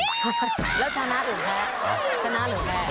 แล้วชนะหรือแพ้ชนะชนะหรือแพ้